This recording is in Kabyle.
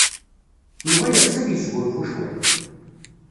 Yidir yeɣs ad yesgunfu cwiṭ.